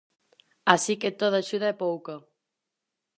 Así que toda axuda é pouca.